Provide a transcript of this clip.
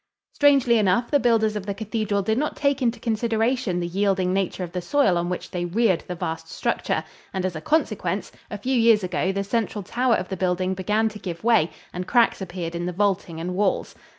Strangely enough, the builders of the cathedral did not take into consideration the yielding nature of the soil on which they reared the vast structure, and as a consequence, a few years ago the central tower of the building began to give way and cracks appeared in the vaulting and walls.